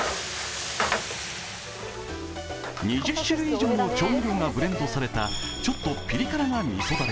２０種類以上の調味料がブレンドされたちょっとピリ辛なみそ